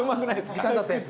時間経ったやつ。